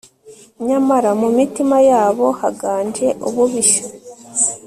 nyamara mu mitima yabo haganje ububisha